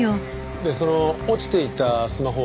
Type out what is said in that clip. でその落ちていたスマホは？